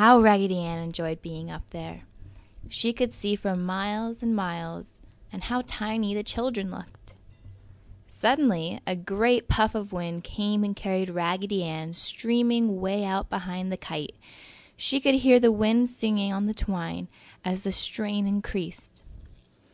How Raggedy Ann enjoyed being up there! She could see for miles and miles! And how tiny the children looked! Suddenly a great puff of wind came and carried Raggedy Ann streaming 'way out behind the kite! She could hear the wind singing on the twine as the strain increased.